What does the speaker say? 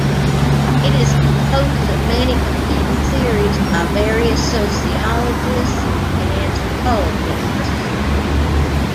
It is composed of many competing theories by various sociologists and anthropologists.